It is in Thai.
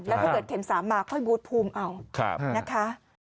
แล้วถ้าเกิดเข็ม๓มาค่อยบูธภูมิเอานะคะ